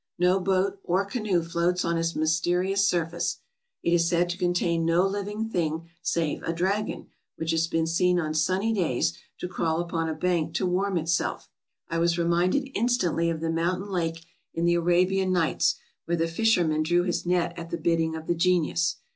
No boat or canoe floats on its mysterious surface. It is said to contain no living thing save a dragon, which has been seen on sunny days to crawl upon a bank to warm himself. I was reminded instantly of the mountain lake in the "Arabian Nights " where the fisher man drew his net at the bidding of the genius.